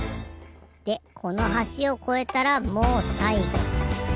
でこのはしをこえたらもうさいご。